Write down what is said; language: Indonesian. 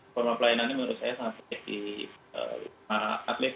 forma pelayanannya menurut saya sangat baik di wisma atlet